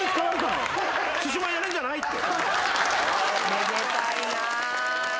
めでたいな。